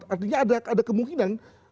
artinya ada kemungkinan